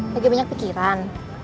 lagi banyak pikiran